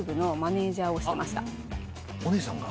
お姉さんが？